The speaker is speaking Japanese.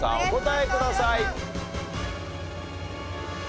お答えください。